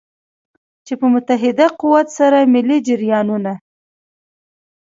چې په متحد قوت سره ملي جریانونه.